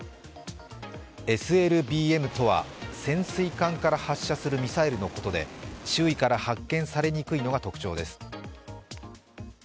ＳＬＢＭとは潜水艦から発射するミサイルのことで、周囲から発見されにくいのが特徴です。